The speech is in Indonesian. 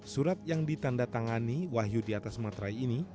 surat yang ditanda tangani wahyu di atas matrai ini